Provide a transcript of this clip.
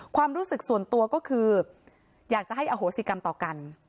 ความรู้สึกส่วนตัวก็คืออยากจะให้อโหสิกรรมต่อกัน